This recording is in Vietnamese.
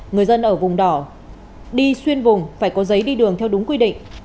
người dân ở vùng đỏ đi xuyên vùng phải có giấy đi đường theo đúng quy định